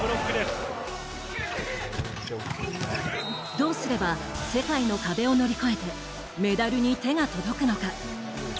どうすれば世界の壁を乗り越えてメダルに手が届くのか。